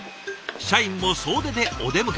社員も総出でお出迎え。